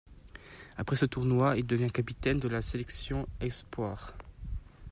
Après ce tournoi, il devient capitaine de la sélection espoirs.